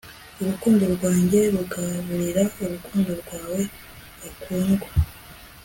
urukundo rwanjye rugaburira urukundo rwawe bakundwa